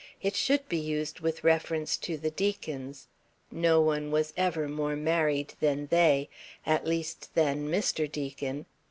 It should be used with reference to the Deacons. No one was ever more married than they at least than Mr. Deacon.